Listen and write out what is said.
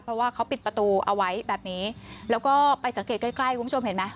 เพราะว่าเขาปิดประตูเอาไว้แบบนี้แล้วก็ไปสังเกตใกล้ใกล้คุณผู้ชมเห็นไหม